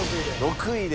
６位で。